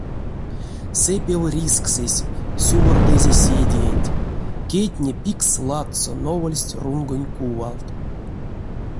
Сэпев рисксэсь сювордызе седеенть, кедтне пикс ладсо новольсть рунгонть кувалт.